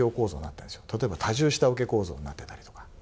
例えば多重下請け構造になってたりとか。